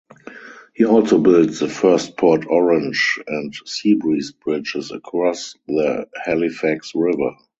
He also built the first Port Orange and Seabreeze bridges across the Halifax River.